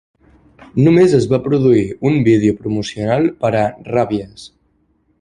Només es va produir un vídeo promocional per a "Rabies".